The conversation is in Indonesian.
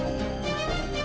sampai jumpa lagi